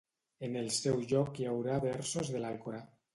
En el seu lloc hi haurà versos de l’alcorà.